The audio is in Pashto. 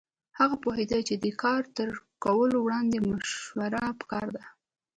هغه پوهېده چې د کار تر کولو وړاندې مشوره پکار ده.